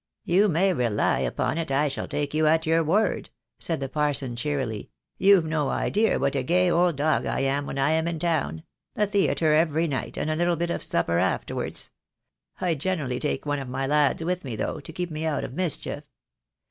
"You may rely upon it I shall take you at your word," THE DAY WILL COME. 25 I said the parson cheerily. "You've no idea what a gay old dog I am when I am in town — the theatre every night, and a little bit of supper afterwards. I generally take one of my lads with me, though, to keep me out of mis chief.